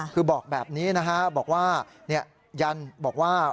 คือบอกแบบนี้นะคะยันบอกว่า